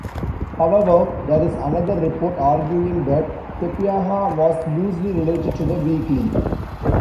However, there is another report, arguing that Sapieha was loosely related to the weekly.